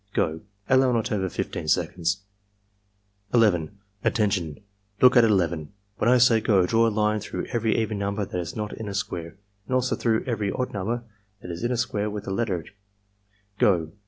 — Go!" (Allow not over 15 seconds.) 11. "Attention! Look at 11. When I say 'go' draw a line through every even number that is not in a square, and also through every odd number that is in a square with a letter. — Go!"